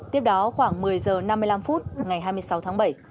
tiếp đó khoảng một mươi h năm mươi năm phút ngày hai mươi sáu tháng bảy